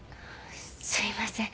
すいません。